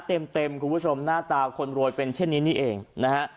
เต็มเต็มคุณผู้ชมหน้าตาคนรวยเป็นเช่นนี้นี่เองนะฮะ